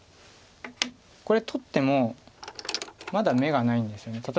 これ取ってもまだ眼がないんですよね。